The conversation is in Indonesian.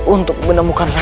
untuk menemukan rai